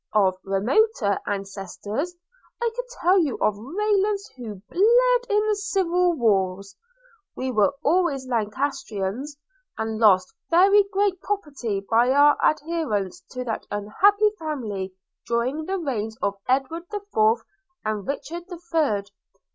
Of remoter ancestors, I could tell you of Raylands who bled in the civil wars; we were always Lancastrians, and lost very great property by our adherence to that unhappy family during the reigns of Edward the Fourth and Richard the Third.